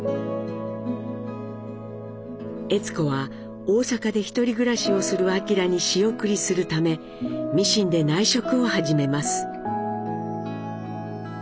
悦子は大阪でひとり暮らしをする明に仕送りするためミシンで内職を始めます。